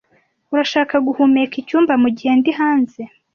Urashaka guhumeka icyumba mugihe ndi hanze?